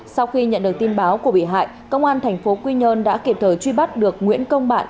sau khi nhận được tin báo của bị hại công an tp quy nhơn đã kịp thời truy bắt được nguyễn công bạn